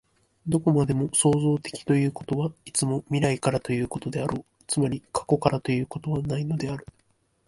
どこまでも創造的ということは、いつも未来からということであろう、つまり過去からということはないのである。